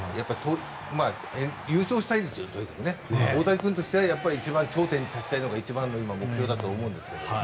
優勝したいですということで大谷君としては一番頂点に立ちたいのが一番の目標だと思うんですけど。